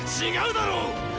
違うだろう